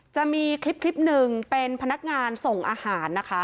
จะมีคลิปหนึ่งเป็นพนักงานส่งอาหารนะคะ